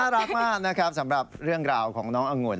รักมากนะครับสำหรับเรื่องราวของน้องอังุ่น